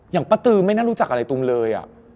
อย่างปาตือไม่น่ารู้จักอะไรตุ้มเลย